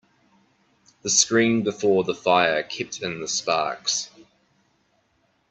The screen before the fire kept in the sparks.